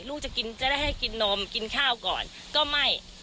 ลูกจะกินจะได้ให้กินนมกินข้าวก่อนก็ไม่